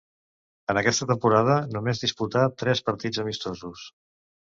En aquesta temporada només disputà tres partits amistosos.